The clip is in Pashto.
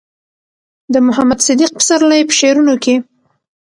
د محمد صديق پسرلي په شعرونو کې